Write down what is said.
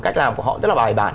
cách làm của họ rất là bài bản